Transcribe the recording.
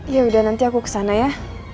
ya udah nanti aku kesana ya